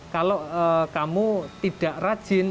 kalau kamu tidak rajin